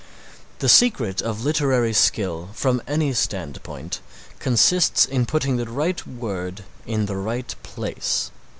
The secret of literary skill from any standpoint consists in putting the right word in the right place.